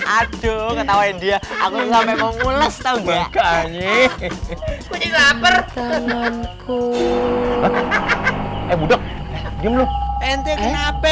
aduh ketawain dia aku sampai mau mulas